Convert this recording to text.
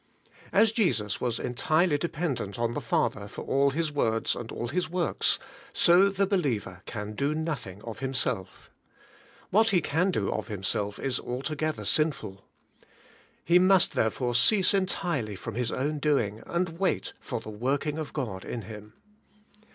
As Jesus was entirely dependent on the Father for all His words and all His works, so the believer can do nothing of himself. What he can do of himself is altogether sinful. He must therefore cease entirely from his own doing, and tvait for the working of God in him.